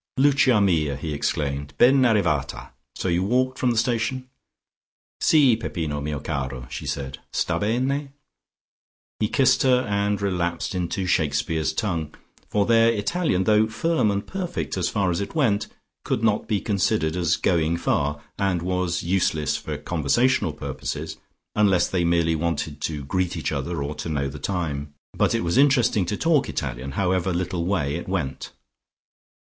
"Lucia mia!" he exclaimed. "Ben arrivata! So you walked from the station?" "Si, Peppino, mio caro," she said. "Sta bene?" He kissed her and relapsed into Shakespeare's tongue, for their Italian, though firm and perfect as far as it went, could not be considered as going far, and was useless for conversational purposes, unless they merely wanted to greet each other, or to know the time. But it was interesting to talk Italian, however little way it went.